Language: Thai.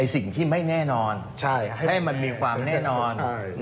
สิ่งที่ไม่แน่นอนให้มันมีความแน่นอน